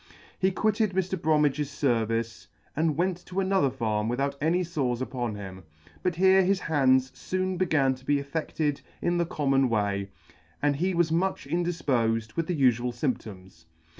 He quitted Mr. Bromedge's fervice, and went to another farm without any fores upon him ; but here his hands foon began to be affected in the common way, and he was much indifpofed with the ufual fymptoms.